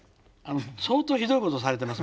相当ひどいことされてます